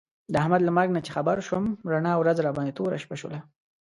د احمد له مرګ نه چې خبر شوم، رڼا ورځ راباندې توره شپه شوله.